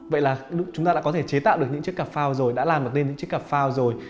vậy là chúng ta đã có thể chế tạo được những chiếc cặp phao rồi đã làm được nên những chiếc cặp phao rồi